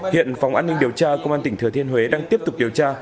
hiện phòng an ninh điều tra công an tỉnh thừa thiên huế đang tiếp tục điều tra